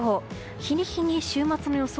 日に日に週末の予想